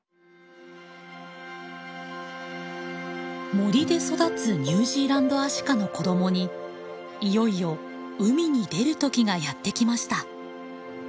森で育つニュージーランドアシカの子どもにいよいよ海に出る時がやって来ました。